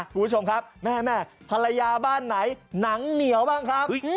คุณผู้ชมครับแม่ภรรยาบ้านไหนหนังเหนียวบ้างครับ